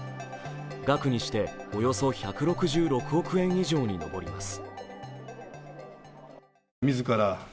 額にしておよそ１６６億円以上に上ります。